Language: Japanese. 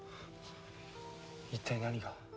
一体何が？